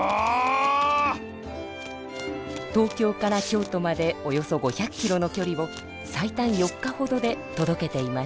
東京から京都までおよそ５００キロのきょりを最短４日ほどでとどけていました。